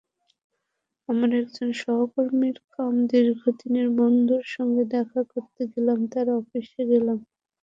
আমার একজন সহকর্মী কাম দীর্ঘদিনের বন্ধুর সঙ্গে দেখা করতে গেলাম তার অফিসে গেলাম।